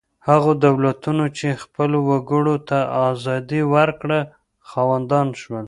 هغو دولتونو چې خپلو وګړو ته ازادي ورکړه خاوندان شول.